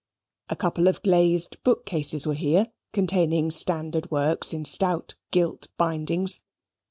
A couple of glazed book cases were here, containing standard works in stout gilt bindings.